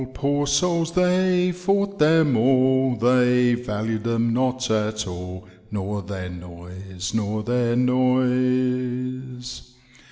Poor souls, they fought them all, They valu*d them not at all. Nor their noise, nor their noise.